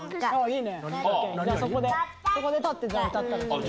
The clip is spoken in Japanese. そこで立って歌ったら。